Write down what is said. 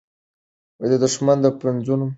د دښمن د پوځونو شمېر ډېر دی.